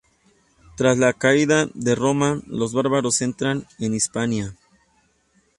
Tras la caída de Roma, los bárbaros entran en Hispania.